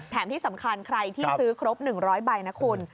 ที่สำคัญใครที่ซื้อครบ๑๐๐ใบนะคุณ